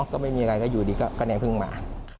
ก็ไม่มีอะไรก็อยู่ดีกับกระแนนพึ่งหมา